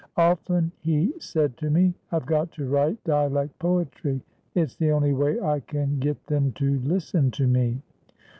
Often he said to me: "I've got to write dialect poetry; it's the only way I can get them to listen to me."